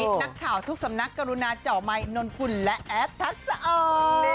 นักข่าวทุกสำนักกรุณาเจาะไมค์นนคุณและแอฟทักษะอ่อน